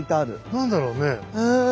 何だろうね。